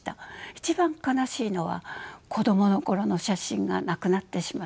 一番悲しいのは子どもの頃の写真がなくなってしまったことです。